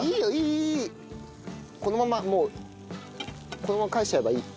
このままもうこのまま返しちゃえばいい。